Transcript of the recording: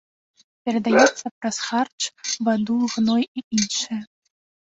Перадаецца праз харч, ваду, гной і іншае.